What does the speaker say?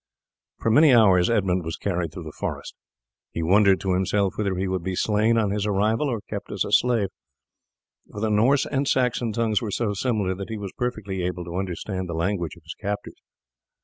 For many hours Edmund was carried through the forest. He wondered to himself whether he would be slain on his arrival or kept as a slave, for the Norse and Saxon tongues were so similar that he was perfectly able to understand the language of his captors.